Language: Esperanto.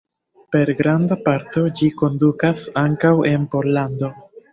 Per granda parto ĝi kondukas ankaŭ en Pollandon.